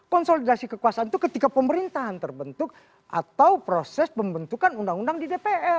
konsolidasi kekuasaan itu ketika pemerintahan terbentuk atau proses pembentukan undang undang di dpr